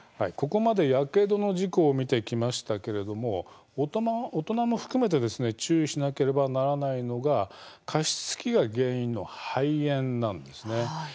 ここまでやけどの事故を見てきましたけれども大人も含めて注意しなければならないのが加湿器が原因による肺炎です。